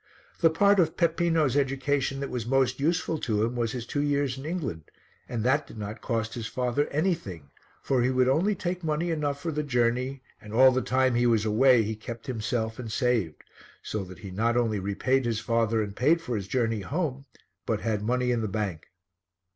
The part of Peppino's education that was most useful to him was his two years in England, and that did not cost his father anything, for he would only take money enough for the journey and all the time he was away he kept himself and saved, so that he not only repaid his father and paid for his journey home but had money in the bank.